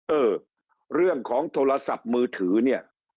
เออเรื่องของโทรศัพท์มือถือเนี่ย